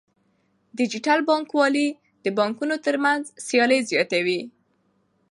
ډیجیټل بانکوالي د بانکونو ترمنځ سیالي زیاتوي.